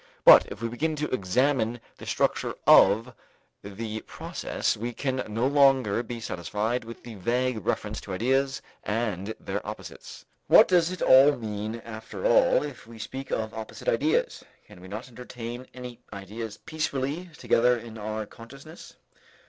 But if we begin to examine the structure of the process, we can no longer be satisfied with the vague reference to ideas and their opposites. What does it mean after all if we speak of opposite ideas? Can we not entertain any ideas peacefully together in our consciousness?